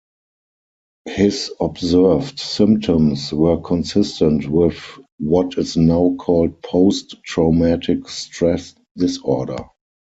His observed symptoms were consistent with what is now called post-traumatic stress disorder.